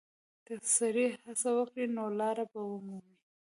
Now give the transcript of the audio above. که سړی هڅه وکړي، نو لاره به ومومي.